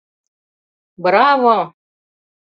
— Браво!..